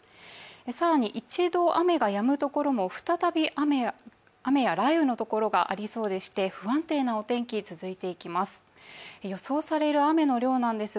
更に一度雨がやむところも、再び雨や雷雨のところがありそうでして、不安定なお天気、続いていきます。